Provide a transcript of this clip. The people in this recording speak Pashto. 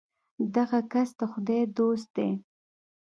دغه کس د خدای دوست دی.